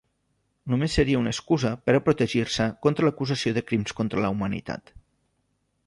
Només seria una excusa per a protegir-se contra l'acusació de crims contra la humanitat.